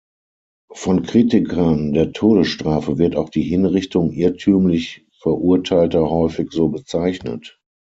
Von Kritikern der Todesstrafe wird auch die Hinrichtung irrtümlich Verurteilter häufig so bezeichnet.